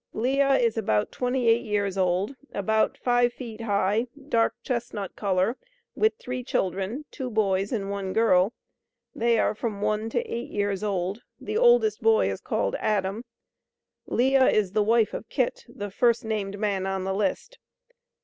Leah is about 28 years old about five feet high dark chesnut coller, with three children. 2 Boys and 1 girl, they are from one to eight years old, the oldest boy is called Adam, Leah is the wife of Kit, the first named man in the list.